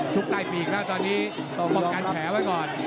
ใต้ปีกแล้วตอนนี้ต้องป้องกันแผลไว้ก่อน